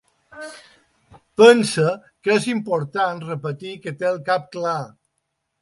Pensa que és important repetir que té el cap clar.